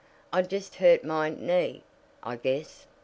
"I just hurt my knee, I guess."